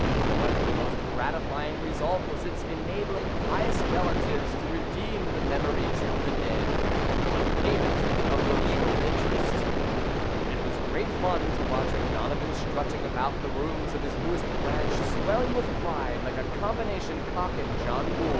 But the most gratifying result was its enabling pious relatives to redeem the memories of the dead, on payment of the legal interest. It was great fun to watch O'Donovan strutting about the rooms of his newest branch, swelling with pride like a combination cock and John Bull.